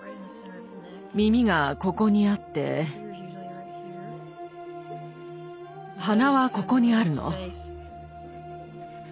耳がここにあって鼻はここにあるの。